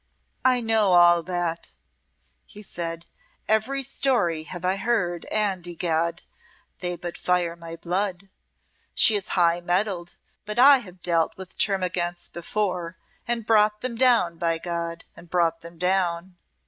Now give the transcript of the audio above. "I know all that," he said. "Every story have I heard, and, egad! they but fire my blood. She is high mettled, but I have dealt with termagants before and brought them down, by God! and brought them down!